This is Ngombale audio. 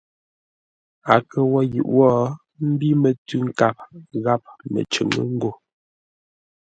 A kə wo yʉʼ wó ḿbí mətʉ̌ nkâp gháp məcʉŋʉ́ ngô.